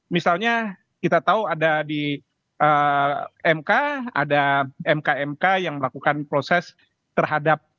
misalnya kita tahu ada di mk ada mk mk yang melakukan proses terhadap